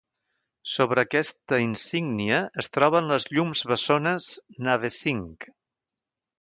Sobre aquesta insígnia es troben les llums bessones Navesink.